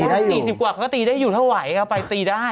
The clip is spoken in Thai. ได้๔๐กว่าเขาก็ตีได้อยู่ถ้าไหวก็ไปตีได้